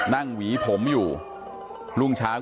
ฐานพระพุทธรูปทองคำ